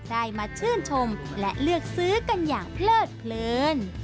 ได้มาชื่นชมและเลือกซื้อกันอย่างเพลิดเพลิน